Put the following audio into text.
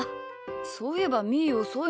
そういえばみーおそいな。